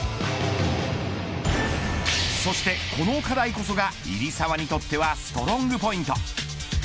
そして、この課題こそが入澤にとってはストロングポイント。